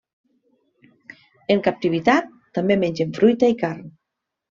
En captivitat, també mengen fruita i carn.